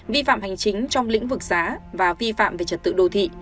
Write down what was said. vi phạm hành chính trong lĩnh vực giá và vi phạm về trật tự đô thị